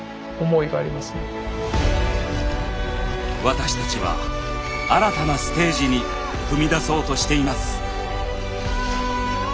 私たちは新たなステージに踏み出そうとしています。